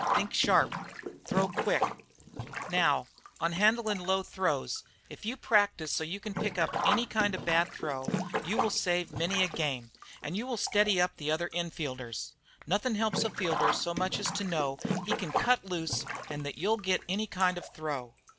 Think sharp, throw quick! "Now, on handlin' low throws, if you practise so you can pick up any kind of a bad throw, you will save many a game, an' you will steady up the other in fielders. Nothin' helps a fielder so much as to know he can cut loose an' thet you 'll get any kind of a throw.